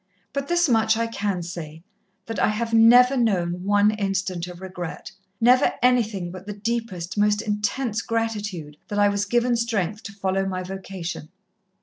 But this much I can say that I have never known one instant of regret never anything but the deepest, most intense gratitude that I was given strength to follow my vocation."